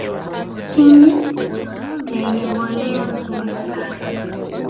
kinyesi cha ngombe ni mbolea nzuri sana